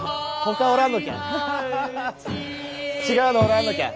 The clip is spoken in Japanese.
違うのおらんのきゃ？